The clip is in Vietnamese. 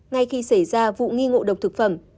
ngay khi xảy ra vụ nghi ngộ độc thực phẩm